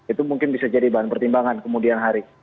itu mungkin bisa jadi bahan pertimbangan kemudian hari